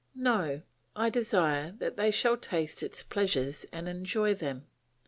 No, I desire that they shall taste its pleasures and enjoy them.